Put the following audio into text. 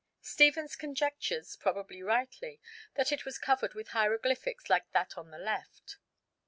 Stephens conjectures, probably rightly, that it was covered with hieroglyphics like that on the left.